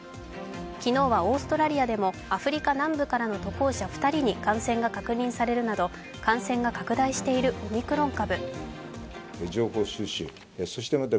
昨日はオーストラリアでもアフリカ南部からの渡航者２人に感染が確認されるなど感染が拡大しているオミクロン株。